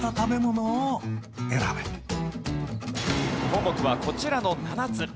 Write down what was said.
項目はこちらの７つ。